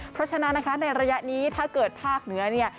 เพราะฉะนั้นนะคะในระยะนี้ถ้าเกิดภาคเหนือเนี่ย